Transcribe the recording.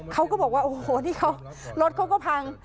เขาก็บอกว่าโอ้โหนี่เขารถเขาก็พัง